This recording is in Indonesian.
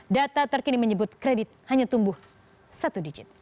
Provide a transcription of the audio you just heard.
data terkini menyebut kredit hanya tumbuh satu digit